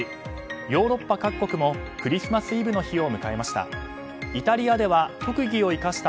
ヨーロッパ各国もクリスマスイブの日を迎えました。